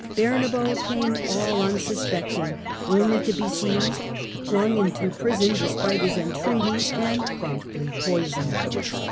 Bernabo came all un suspecting, only to be seized, flung into prison despite his entreaties and promptly poisoned.